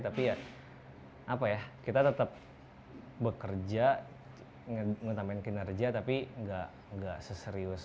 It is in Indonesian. tapi ya apa ya kita tetap bekerja mengutamain kinerja tapi nggak seserius